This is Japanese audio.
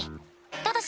ただし。